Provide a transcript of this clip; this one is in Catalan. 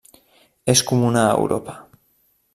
És comuna a Europa.